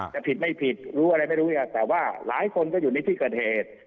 จะผิดไม่ผิดรู้อะไรไม่รู้เนี่ยแต่ว่าหลายคนก็อยู่ในที่เกิดเหตุ